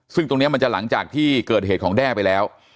ซึ่งตรงนี้มันจะหลังจากที่เกิดเหตุของแด้ไปแล้ว